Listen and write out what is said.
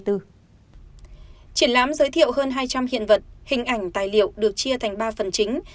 triển lãm giới thiệu hơn hai trăm linh hiện vật hình ảnh tài liệu được chia thành ba phần chính